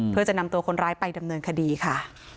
เพื่อจะนำตัวคนร้ายไปดำเนินคดีค่ะ